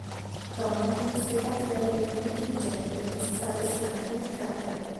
Tom viene svegliato dagli allenamenti di Jerry, che si sta addestrando nel karate.